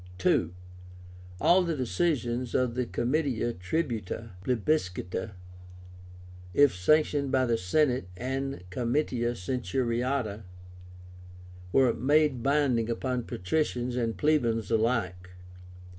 II. All the decisions of the Comitia Tribúta (plebiscita), if sanctioned by the Senate and Comitia Centuriáta, were made binding upon patricians and plebeians alike.